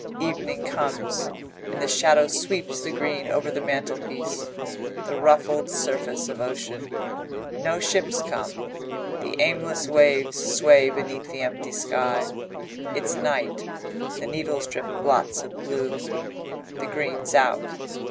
Evening comes, and the shadow sweeps the green over the mantelpiece; the ruffled surface of ocean. No ships come; the aimless waves sway beneath the empty sky. It's night; the needles drip blots of blue. The green's out.